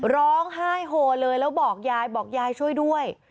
ร้องไห้โหเลยแล้วบอกยายบอกยายช่วยด้วย